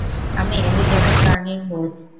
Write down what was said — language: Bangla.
আমি এলিজাবেথ কার্নির ভূত!